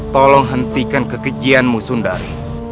tolong hentikan kekejianmu sudari